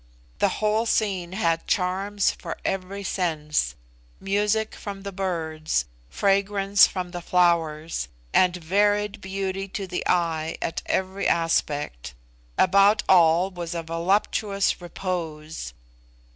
The whole scene had charms for every sense music form the birds, fragrance from the flowers, and varied beauty to the eye at every aspect. About all was a voluptuous repose.